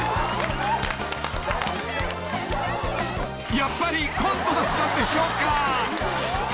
［やっぱりコントだったんでしょうか？］